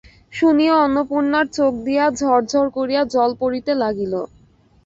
শুনিয়া অন্নপূর্ণার চোখ দিয়া ঝরঝর করিয়া জল পড়িতে লাগিল।